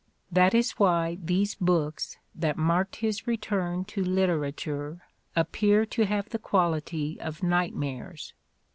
That is why these books that marked his return to literature appear to have the quality of nightmares.